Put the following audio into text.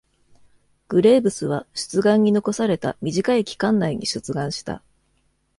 グレーブスは、出願に残された短い期間内に出願した。